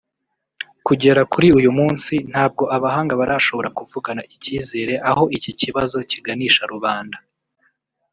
Kugera kuri uyu munsi ntabwo abahanga barashobora kuvugana ikizere aho iki kibazo kiganisha rubanda